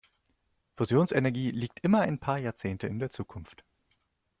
Fusionsenergie liegt immer ein paar Jahrzehnte in der Zukunft.